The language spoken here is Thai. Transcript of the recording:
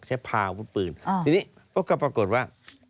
เพราะนี้ผมก็ปรากฎว่า